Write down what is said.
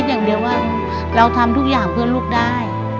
อย่างเดียวว่าเราทำทุกอย่างเพื่อลูกได้